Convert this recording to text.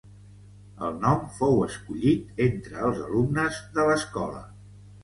El nom fou escollit entre els alumnes de l'escola.